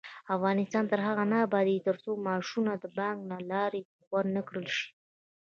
افغانستان تر هغو نه ابادیږي، ترڅو معاشونه د بانک له لارې ورنکړل شي.